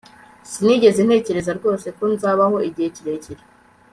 sinigeze ntekereza rwose ko nzabaho igihe kirekire